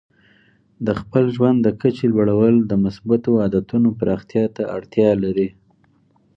د خپل ژوند د کچې لوړول د مثبتو عادتونو پراختیا ته اړتیا لري.